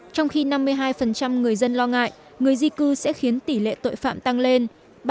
trong khi năm mươi hai người dân lo ngại người di cư sẽ khiến tỷ lệ tội phạm tăng lên